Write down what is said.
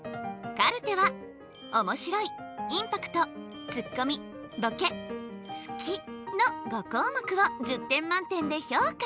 カルテはおもしろいインパクトツッコミボケ好きの５項目を１０点満点で評価。